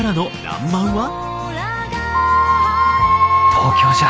東京じゃ。